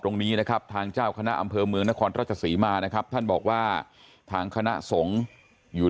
ตรงนี้นะครับทางเจ้าคณะอำเภอเมืองนครราชศรีมานะครับท่านบอกว่าทางคณะสงฆ์อยู่